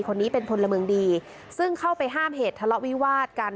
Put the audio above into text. คนนี้เป็นพลเมืองดีซึ่งเข้าไปห้ามเหตุทะเลาะวิวาดกัน